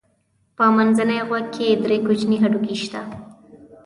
په منځني غوږ کې درې کوچني هډوکي شته.